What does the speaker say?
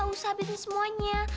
kamu gak usah habis habisin ya